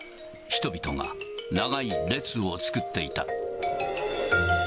人々が長い列を作っていた。